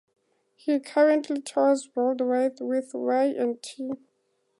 He currently tours worldwide with Y and T.